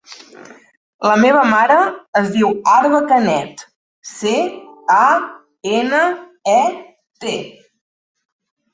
La meva mare es diu Arwa Canet: ce, a, ena, e, te.